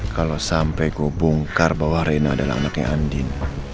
kalau sampai gue bongkar bahwa rena adalah anaknya andin